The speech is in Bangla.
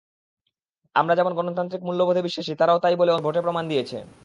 আমরা যেমন গণতান্ত্রিক মূল্যবোধে বিশ্বাসী, তারাও তা–ই বলে অন্তত ভোটে প্রমাণ দিয়েছে।